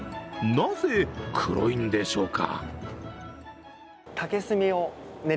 なぜ黒いんでしょうか？